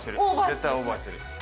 絶対オーバーしてる。